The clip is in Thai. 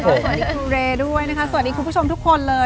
สวัสดีคุณเรด้วยนะคะสวัสดีคุณผู้ชมทุกคนเลย